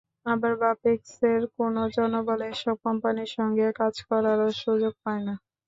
আবার বাপেক্সের কোনো জনবল এসব কোম্পানির সঙ্গে কাজ করারও সুযোগ পায় না।